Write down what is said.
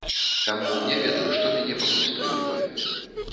Таму, не ведаю, што мяне пакуль стрымлівае.